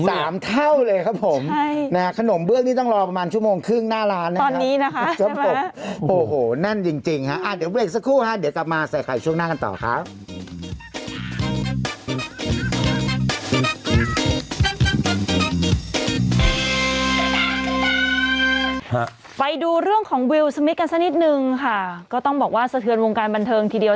สมมติคนที่แบบว่าขายของเก่าอะเค้าก็จะเอาไม้ที่อยู่ที่ป้ายเนี่ย